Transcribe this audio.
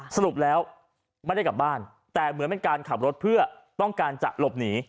สรุปแล้วไม่ได้กลับบ้านแต่เหมือนเป็นการขับรถเพื่อต้องการจะหลบหนี